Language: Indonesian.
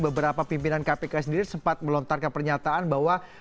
beberapa pimpinan kpk sendiri sempat melontarkan pernyataan bahwa